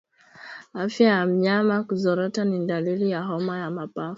Afya ya mnyama kuzorota ni dalili ya homa ya mapafu